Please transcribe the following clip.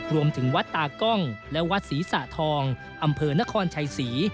รวมถึงวัดตากล้องและสีสาทองบางอำเภอนครชายศรี